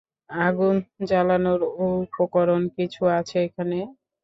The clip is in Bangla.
আগুন জ্বালানোর উপকরণ কিছু আছে এখানে?